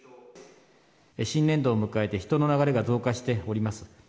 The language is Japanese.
新年度を迎えて、人の流れが増加しております。